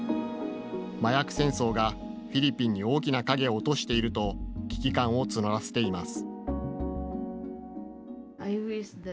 麻薬戦争がフィリピンに大きな影を落としていると危機感を募らせています。